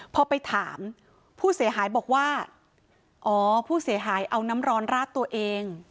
พอไปถามผู้เสียหายบอกว่าอ๋อผู้เสียหายเอาน้ำร้อนราดตัวเอง